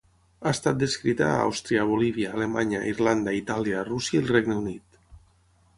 Ha estat descrita a Àustria, Bolívia, Alemanya, Irlanda, Itàlia, Rússia i el Regne Unit.